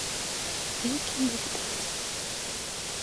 А які будзе трэцім?